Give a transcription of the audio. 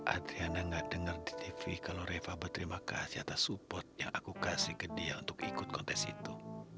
adriana nggak dengar di tv kalau reva berterima kasih atas support yang aku kasih ke dia untuk ikut kontes itu